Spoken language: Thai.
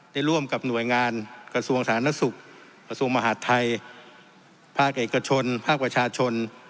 ได้ร่วมกับหน่วยงานกระทรวงสาธารณสุขกระทรวงมหาดไทยภาคเอกชนภาคประชาชน